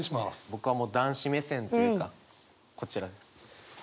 僕はもう男子目線というかこちらです。